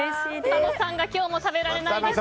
佐野さんが今日も食べられないです。